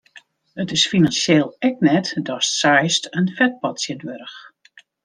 It is finansjeel ek net datst seist in fetpot tsjinwurdich.